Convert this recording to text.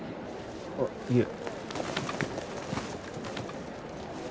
あっいえ